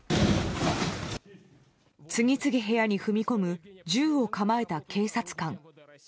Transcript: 次々部屋に踏み込む銃を構えた警察官。